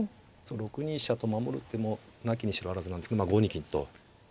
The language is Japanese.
６二飛車と守る手もなきにしろあらずなんですけどまあ５二金と一歩取らせる。